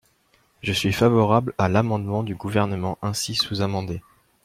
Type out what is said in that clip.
Je suis favorable à l’amendement du Gouvernement ainsi sous-amendé.